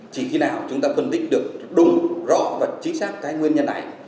chỉ khi nào chúng ta phân tích được đúng rõ và chính xác cái nguyên nhân này